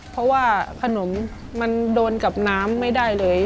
เพราะว่าขนมมันโดนกับน้ำไม่ได้เลย